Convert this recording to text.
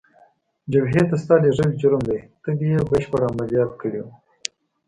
جبهې ته ستا لېږل جرم دی، ته دې یې بشپړ عملیات کړی وای.